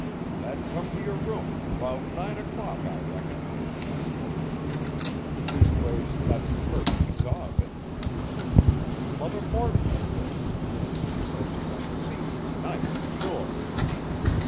"That come to your room about nine o'clock, I reckon," he said. "Leastways, that's the first we saw of it. An' Mother Borton was there, an' she says she must see you to night, sure.